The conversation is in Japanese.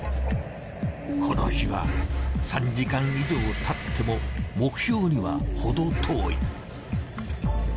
この日は３時間以上経っても目標にはほど遠い。